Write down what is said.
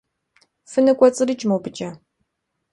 ФыныкӀуэцӀрыкӀ мобыкӀэ.